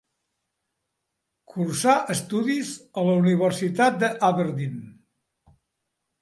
Cursà estudis a la Universitat d'Aberdeen.